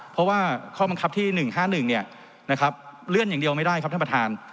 เพราะว่าข้อบังคับที่๑๕๑เลื่อนอย่างเดียวไม่ได้ครับท่านประธาน